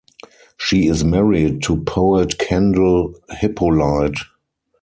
She is married to poet Kendel Hippolyte.